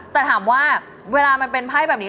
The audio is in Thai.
แต่ถามว่าเวลามันเป็นไพ่แบบนี้